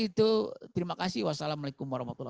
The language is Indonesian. itu terima kasih wassalamualaikum warahmatullah